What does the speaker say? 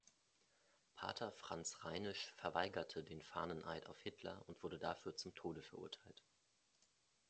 Pater Franz Reinisch verweigerte den Fahneneid auf Hitler und wurde dafür zum Tode verurteilt.